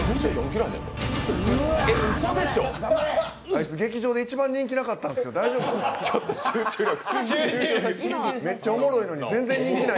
あいつ劇場で一番人気なかったんすよ、大丈夫かな。